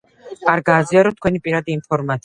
არ გააზიაროთ თქვენი პირადი იფორმაცია.